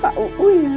pak uu ya